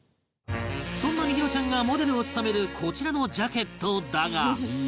そんなみひろちゃんがモデルを務めるこちらのジャケットだが